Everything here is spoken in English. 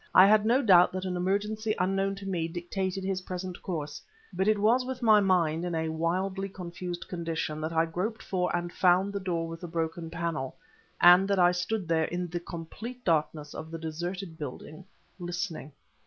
I had no doubt that an emergency unknown to me dictated his present course, but it was with my mind in a wildly confused condition, that I groped for and found the door with the broken panel and that I stood there in the complete darkness of the deserted house listening.